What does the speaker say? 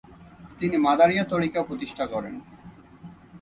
তিনি মাদারিয়া তরিকা প্রতিষ্ঠা করেন।